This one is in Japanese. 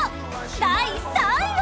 第３位は？